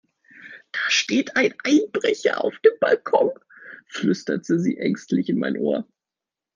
Da steht ein Einbrecher auf dem Balkon, flüsterte sie ängstlich in mein Ohr.